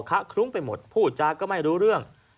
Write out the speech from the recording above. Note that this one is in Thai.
คะคลุ้งไปหมดพูดจาก็ไม่รู้เรื่อง